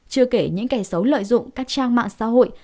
chưa kể những kẻ xấu lợi dụng các trang mạng xã hội